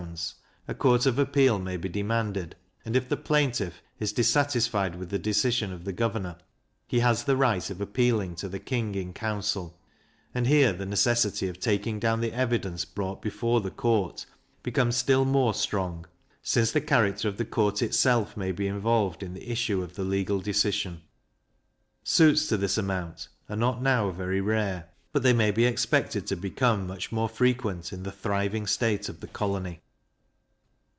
a court of appeal may be demanded, and if the plaintiff is dissatisfied with the decision of the governor, he has the right of appealing to the King in council; and here the necessity of taking down the evidence brought before the court becomes still more strong, since the character of the court itself may be involved in the issue of the legal decision. Suits to this amount are not now very rare, but they may be expected to become much more frequent in the thriving state of the colony.